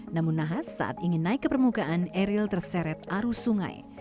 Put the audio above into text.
namun nahas saat ingin naik ke permukaan eril terseret arus sungai